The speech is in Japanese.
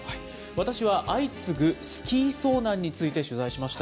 私は相次ぐスキー遭難について取材しました。